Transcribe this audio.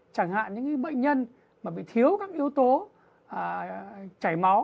chẳng hạn những bệnh nhân mà bị thiếu các yếu tố chảy máu